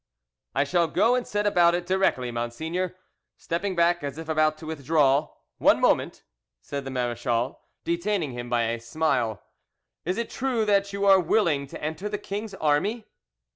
"I shall go and set about it directly, monseigneur," stepping back as if about to withdraw. "One moment!" said the marechal, detaining him by a smile. "Is it true that you are willing to enter the king's army?"